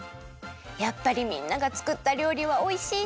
やっぱりみんながつくったりょうりはおいしいね！